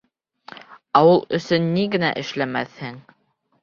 Ауыл өсөн ни генә эшләмәҫһең!